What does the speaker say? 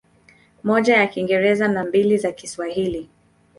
Moja ya Kiingereza na mbili za Kiswahili.